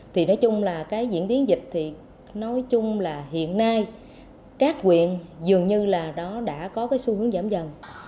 thì nói chung là cái diễn biến dịch thì nói chung là hiện nay các quyền dường như là đó đã có cái xu hướng giảm dần